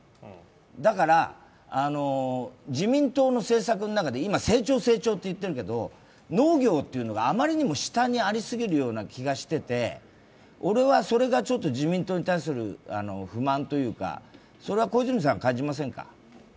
だから、自民党の政策の中で今、成長、成長って言ってるけど農業というのがあまりにも下にありすぎるような気がしていて俺はそれがちょっと自民党に対する不満というか、それは小泉さん、感じませんか？